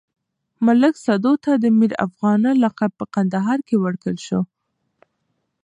ملک سدو ته د ميرافغانه لقب په کندهار کې ورکړل شو.